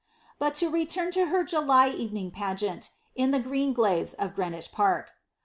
But to return to her July evening pageant, in the green glades of Greenwich park.